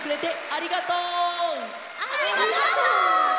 ありがとう！